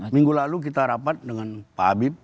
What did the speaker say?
minggu lalu kita rapat dengan pak habib